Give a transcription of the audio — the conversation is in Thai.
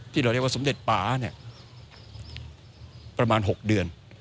ที่เราเรียกว่าสมเด็จป่าเนี่ยประมาณ๖เดือน